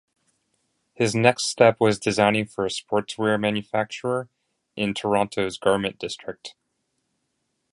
His next step was designing for a sportswear manufacturer in Toronto's garment district.